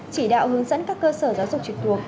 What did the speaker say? chỉ đạo hướng dẫn các cơ sở giáo dục trực thuộc